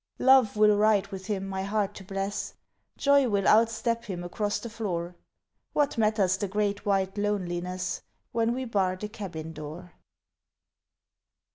Love will ride with him my heart to bless Joy will out step him across the floor What matters the great white loneliness When we bar the cabin door?